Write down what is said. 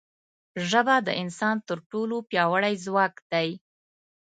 ژبه د انسان تر ټولو پیاوړی ځواک دی